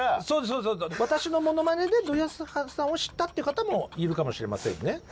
私のものまねで土井善晴さんを知ったっていう方もいるかもしれませんね。